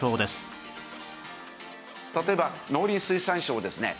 例えば農林水産省ですね。